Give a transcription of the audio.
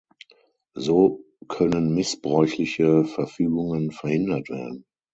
So können missbräuchliche Verfügungen verhindert werden.